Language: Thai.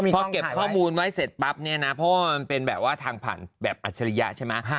พอเก็บข้อมูลไว้เสร็จปั๊บเนี่ยนะเพราะว่ามันเป็นแบบว่าทางผ่านแบบอัจฉริยะใช่ไหม